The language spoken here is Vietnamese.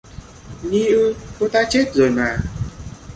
Nhi ư, cô ta chết rồi mà